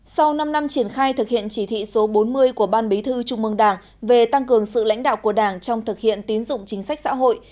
sau năm năm triển khai thực hiện chỉ thị số bốn mươi của ban bí thư trung mương đảng về tăng cường sự lãnh đạo của đảng trong thực hiện tín dụng chính sách xã hội